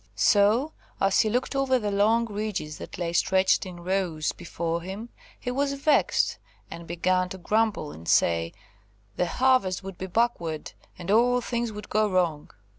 So, as he looked over the long ridges that lay stretched in rows before him, he was vexed, and began to grumble, and say, "the harvest would be backward, and all things would go wrong."